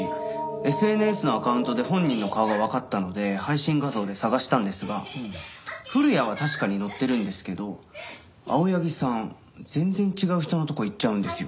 ＳＮＳのアカウントで本人の顔がわかったので配信画像で捜したんですが古谷は確かに乗ってるんですけど青柳さん全然違う人のとこ行っちゃうんですよ。